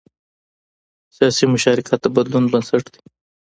سیاسي مشارکت د بدلون بنسټ دی